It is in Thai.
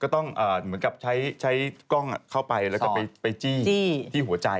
ต้องเหมือนกับใช้กล้องเข้าไปแล้วก็ไปจี้ที่หัวใจ